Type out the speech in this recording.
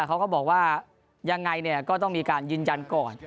เขาก็บอกว่ายังไงก็ต้องมีการยืนยันก่อน